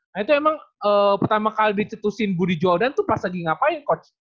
nah itu emang pertama kali dicetusin budi jodan tuh pas lagi ngapain coach